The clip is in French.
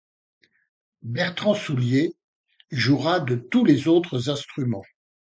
Bertrand Soulier jouera de tous les autres instruments.